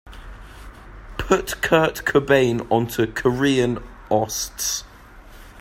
Put Kurt Cobain onto korean osts.